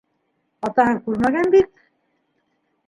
Атаһы күрмәгән бит.